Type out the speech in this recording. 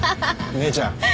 姉ちゃん